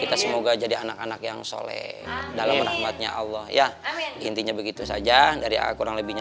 kita semoga jadi anak anak yang soleh dalam rahmatnya allah ya intinya begitu saja dari kurang lebihnya